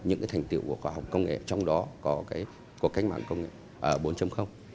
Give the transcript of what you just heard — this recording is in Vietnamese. những cái thành tiệu của khoa học công nghệ trong đó có cái cuộc cách mạng công nghệ bốn